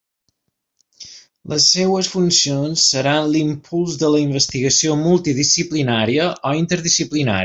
Les seues funcions seran l'impuls de la investigació multidisciplinària o interdisciplinària.